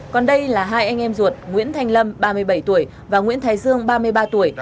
còn đây là hai anh em ruột nguyễn thanh lâm ba mươi bảy tuổi và nguyễn thái dương ba mươi ba tuổi